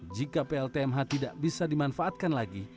jika pltmh tidak bisa dimanfaatkan lagi